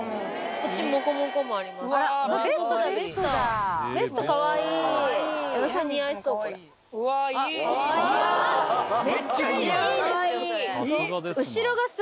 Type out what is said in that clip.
こっち、モコモコ感あります。